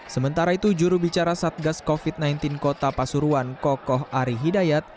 sementara itu jurubicara satgas covid sembilan belas kota pasuruan kokoh ari hidayat